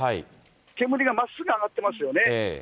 煙がまっすぐ上がっていますよね。